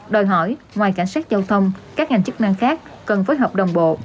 đòi hỏi ngoài cảnh sát giao thông các ngành chức năng khác cần phối hợp đồng bộ